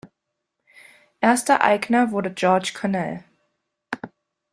Erster Eigner wurde George Connell.